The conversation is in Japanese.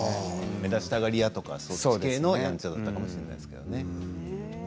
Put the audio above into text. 目立ちたがり屋とかそっち系のやんちゃだったんですね。